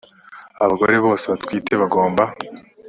abagore bose batwite bagomba